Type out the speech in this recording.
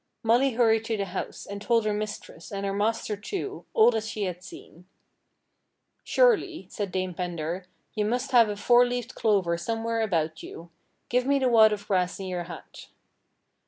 Molly hurried to the house, and told her mistress, and her master, too, all that she had seen. "Surely," said Dame Pendar, "you must have a Four leaved Clover somewhere about you. Give me the wad of grass in your hat."